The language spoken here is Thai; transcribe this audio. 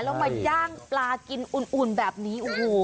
แล้วมาย่างปลากินอุ่นแบบนี้โอ้โห